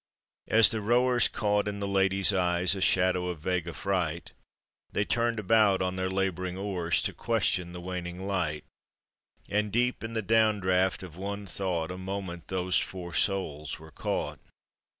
As the rowers caught in the lady's eye* A shadow of vague affright, They turned about on their laboring oart, To question the waning light; 448 APPENDIX. And deep in the downdraught of one thought A moment those four. souls were caught.